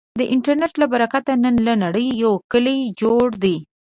د انټرنټ له برکته، نن له نړې یو کلی جوړ دی.